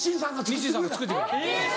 日清さんが作ってくれた。